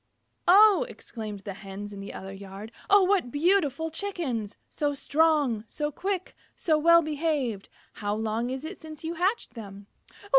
"Oh!" exclaimed the Hens in the other yard. "Oh, what beautiful Chickens! So strong! So quick! So well behaved! How long is it since you hatched them?"